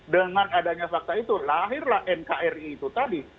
dengan adanya fakta itu lahirlah nkri itu tadi